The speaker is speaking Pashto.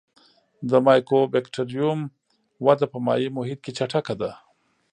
د مایکوبکټریوم وده په مایع محیط کې چټکه ده.